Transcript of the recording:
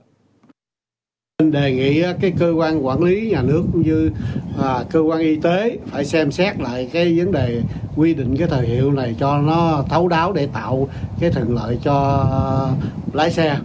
tôi đề nghị cái cơ quan quản lý nhà nước cũng như cơ quan y tế phải xem xét lại cái vấn đề quy định cái thời hiệu này cho nó thấu đáo để tạo cái thuận lợi cho lái xe